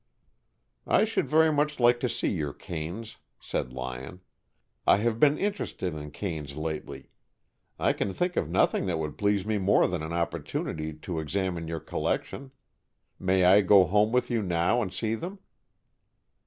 "I should very much like to see your canes," said Lyon. "I have been interested in canes lately. I can think of nothing that would please me more than an opportunity to examine your collection. May I go home with you now and see them?"